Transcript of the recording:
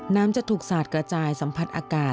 จะถูกสาดกระจายสัมผัสอากาศ